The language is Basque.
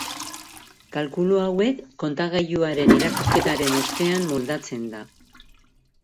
Kalkulu hauek kontagailuaren irakurketaren ostean moldatzen da.